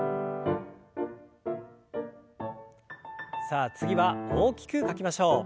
さあ次は大きく書きましょう。